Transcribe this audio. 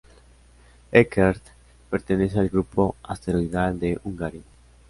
Eckert pertenece al grupo asteroidal de Hungaria.